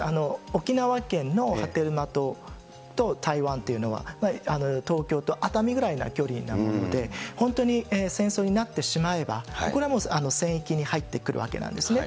沖縄県の波照間島と台湾というのは、東京と熱海ぐらいの距離なので、本当に戦争になってしまえば、これはもう戦域に入ってくるわけなんですね。